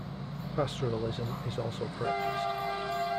Pastoralism is also practised.